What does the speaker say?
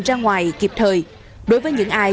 ra ngoài kịp thời